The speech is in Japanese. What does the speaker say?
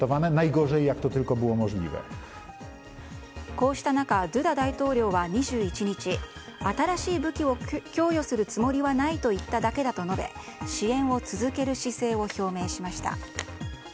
こうした中ドゥダ大統領は２１日新しい武器を供与するつもりはないと言っただけだと述べ支援を続ける姿勢を表明しました。